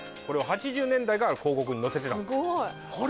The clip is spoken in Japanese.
これを８０年代から広告に載せてたすごい！